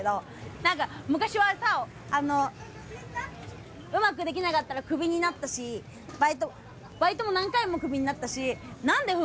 何か昔はさうまくできなかったらクビになったしバイトも何回もクビになったし。